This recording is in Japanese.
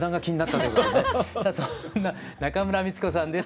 そんな中村美律子さんです。